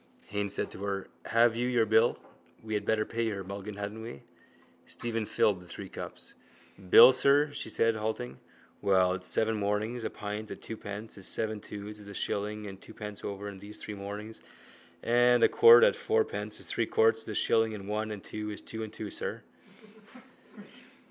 Haines said to her: —Have you your bill? We had better pay her, Mulligan, hadn't we? Stephen filled again the three cups. —Bill, sir? she said, halting. Well, it's seven mornings a pint at twopence is seven twos is a shilling and twopence over and these three mornings a quart at fourpence is three quarts is a shilling. That's a shilling and one and two is two and two, sir.